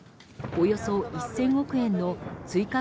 およそ１０００億円の追加